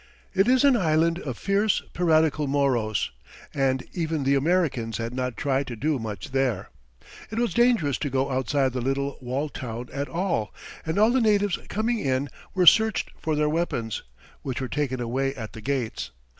It is an island of fierce, piratical Moros, and even the Americans had not tried to do much there. It was dangerous to go outside the little walled town at all, and all the natives coming in were searched for their weapons, which were taken away at the gates.